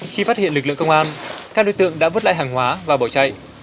khi phát hiện lực lượng công an các đối tượng đã vứt lại hàng hóa và bỏ chạy